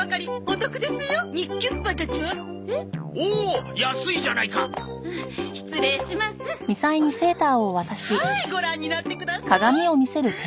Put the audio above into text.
はーいご覧になってください。